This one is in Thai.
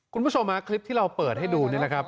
คุณผู้ชมฮะคลิปที่เราเปิดให้ดูเนี่ยนะครับ